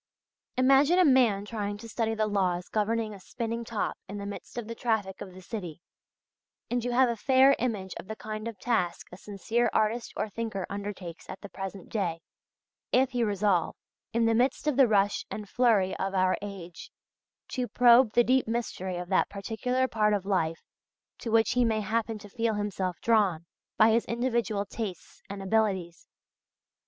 Imagine a man trying to study the laws governing a spinning top in the midst of the traffic of the city, and you have a fair image of the kind of task a sincere artist or thinker undertakes at the present day, if he resolve, in the midst of the rush and flurry of our age, to probe the deep mystery of that particular part of life to which he may happen to feel himself drawn by his individual tastes and abilities.